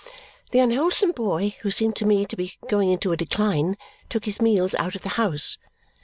The unwholesome boy, who seemed to me to be going into a decline, took his meals out of the house.